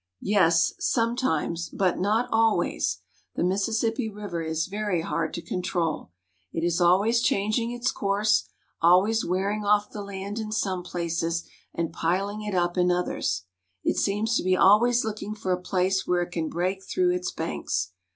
Yes ; sometimes, but not always. The Mississippi River is very hard to control. It is always changing its course, Flood Caused by a Break in a Levee. always wearing off the land in some places and piling it up in others. It seems 'to be always looking for a place where it can break through its banks.